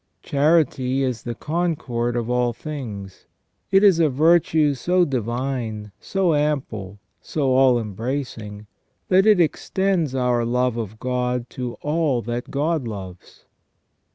Charity is the con cord of all things. It is a virtue so divine, so ample, so all em bracing, that it extends our love of God to all that God loves.